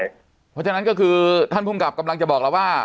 เพราะฉะนั้นก็คือท่านภูมิกับกำลังจะบอกเราว่า